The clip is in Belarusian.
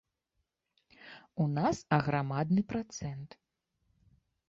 У нас аграмадны працэнт.